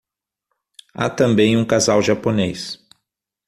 Há também um casal japonês